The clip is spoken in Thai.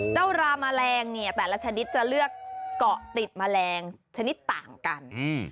ราแมลงเนี่ยแต่ละชนิดจะเลือกเกาะติดแมลงชนิดต่างกัน